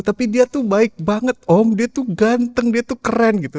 tapi dia tuh baik banget om dia tuh ganteng dia tuh keren gitu